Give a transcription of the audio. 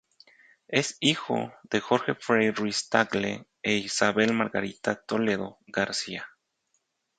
Es hijo de Jorge Frei Ruiz-Tagle e Isabel Margarita Toledo García.